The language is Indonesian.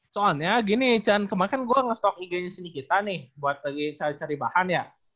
soalnya gini can kemarin kan gua nge stock ig nya di nikita nih buat lagi cari cari bahan ya